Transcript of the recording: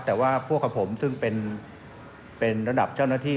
แต่ว่าพวกกับผมซึ่งเป็นระดับเจ้าหน้าที่